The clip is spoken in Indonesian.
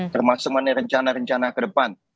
termasuk mengenai rencana rencana ke depan